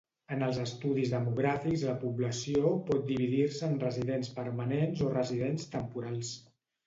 En els estudis demogràfics la població pot dividir-se en residents permanents o residents temporals.